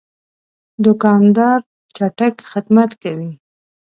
دوکاندار چټک خدمت کوي.